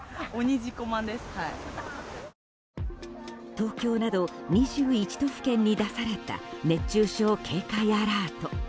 東京など２１都府県に出された熱中症警戒アラート。